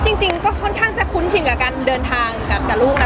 จริงก็ค่อนข้างจะคุ้นชินกับการเดินทางกับลูกนะ